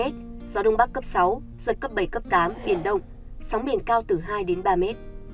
gió đông bắc cấp sáu giật cấp bảy tám biển đông sóng biển cao từ hai ba m